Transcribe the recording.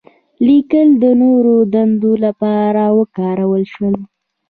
لیکل د نوو دندو لپاره وکارول شول.